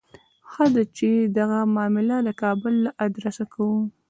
ښه ده چې دغه معامله د کابل له آدرسه کوو.